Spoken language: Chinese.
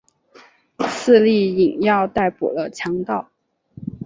刺史尹耀逮捕了强盗。